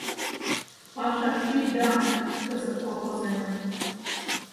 Паша шӱй даҥыт кызыт колхоземын.